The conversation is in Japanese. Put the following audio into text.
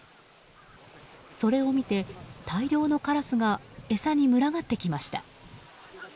それを見て、大量のカラスが餌に群がってきました。